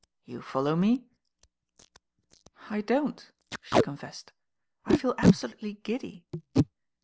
You follow me?" "I don't," the confeited. "I feel absolutely giddy."